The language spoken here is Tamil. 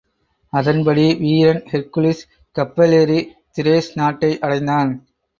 அதன்படி வீரன் ஹெர்க்குலிஸ் கப்பலேறித் திரேஸ் நாட்டை அடைந்தான்.